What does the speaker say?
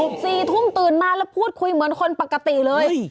๔ทุ่มตื่นมาแล้วพูดคุยเหมือนคนปกติเลย